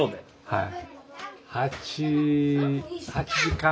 はい。